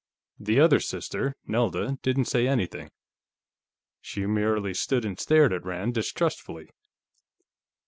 The other sister Nelda didn't say anything. She merely stood and stared at Rand distrustfully.